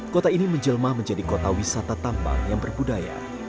kota ini menjelma menjadi kota wisata tambang yang berbudaya